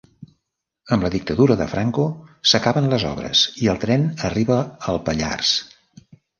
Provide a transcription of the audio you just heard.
Amb la dictadura de Franco s'acaben les obres i el tren arriba al Pallars.